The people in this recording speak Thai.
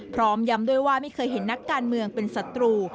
พร้อมย้ำด้วยว่าไม่เคยเห็นนักการเมืองเป็นศัตรู